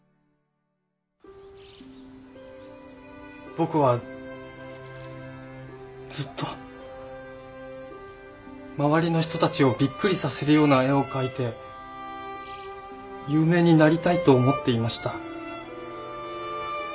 僕はずっと周りの人たちをびっくりさせるような絵を描いて有名になりたいと思っていました。